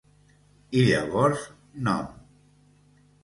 I llavors, nom